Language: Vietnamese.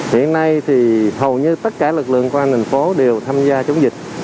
hiện nay thì hầu như tất cả lực lượng của an ninh phố đều tham gia chống dịch